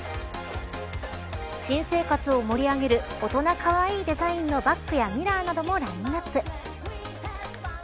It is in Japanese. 新生活を盛り上げる大人かわいいデザインのバッグやミラーなどもラインナップ。